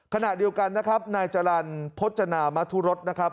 ขณะเดียวกันนะครับนายจรรย์พจนามทุรสนะครับ